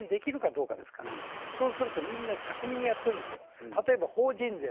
実現できるかどうかですから、そうすると、みんなたくみにやってるんですよ。